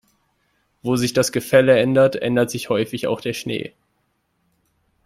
Wo sich das Gefälle ändert, ändert sich häufig auch der Schnee.